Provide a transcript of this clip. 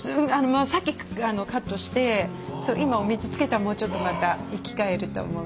さっきカットして今お水つけたらもうちょっとまた生き返ると思うけど。